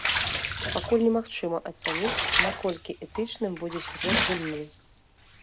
Пакуль немагчыма ацаніць, наколькі этычным будзе сюжэт гульні.